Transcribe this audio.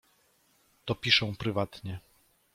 "To piszę prywatnie."